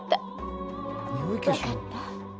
分かった？